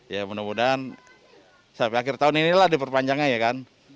ya mudah mudahan sampai akhir tahun inilah diperpanjangnya